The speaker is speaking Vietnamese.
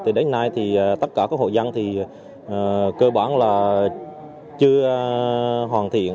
thì đến nay thì tất cả các hội dân thì cơ bản là chưa hoàn thiện